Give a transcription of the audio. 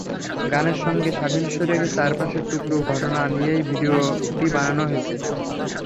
গানের সঙ্গে সাদৃশ্য রেখে চার পাশের টুকরো ঘটনা নিয়েই ভিডিওটি বানানো হয়েছে।